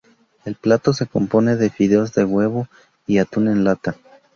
El plato se compone de fideos de huevo y atún en lata.